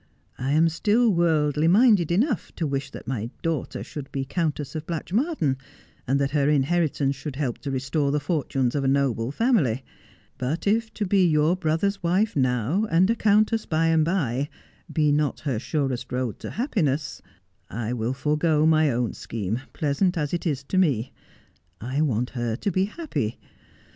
I am still worldly minded enough to wish that my daughter should be Countess of Blatchmardean, and that her inheritance should help to restore the fortunes of a noble family. But if to be your brother's wife now, and a countess by and by, be not her surest road to happiness, I will forego my own scheme, pleasant as it is to me. I want her to be happy.